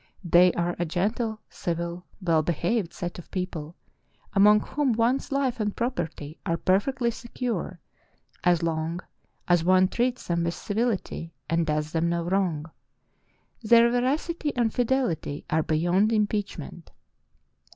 "They are a gentle, civil, well behaved set of people among whom one's life and property are perfectly secure as long as one treats them with civility and does them no wrong. Their veracity and fidelity are beyond im peachment.